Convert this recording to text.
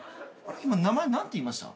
今名前何て言いました？